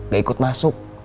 gak ikut masuk